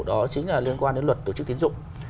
đó chính là liên quan đến luật tổ chức tiến dụng